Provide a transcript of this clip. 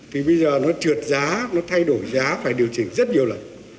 thì bây giờ nó trượt giá nó thay đổi giá phải điều chỉnh